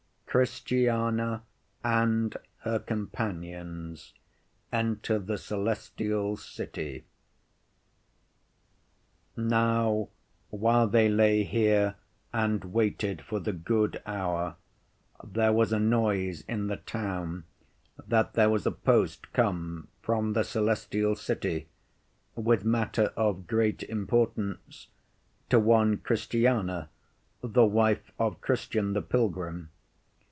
CHRISTIANA AND HER COMPANIONS ENTER THE CELESTIAL CITY From the 'Pilgrim's Progress' Now while they lay here and waited for the good hour, there was a noise in the town that there was a post come from the Celestial City, with matter of great importance to one Christiana, the wife of Christian the pilgrim.